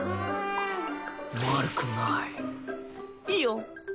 いいよ。